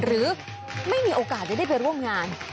หรือไม่มีโอกาสจะได้ไปร่วมงาน